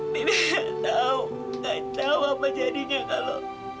bibi gak tau gak tau apa jadinya kalo